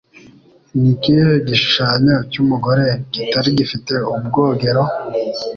Ni ikihe gishushanyo cy'umugore kitari gifite ubwogero?